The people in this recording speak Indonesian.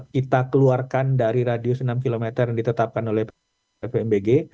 kita keluarkan dari radius enam km yang ditetapkan oleh ppmbg